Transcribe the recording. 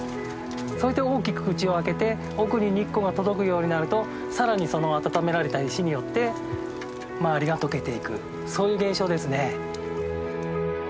そして大きく口を開けて奥に日光が届くようになると更にその温められた石によって周りが解けていくそういう現象ですね。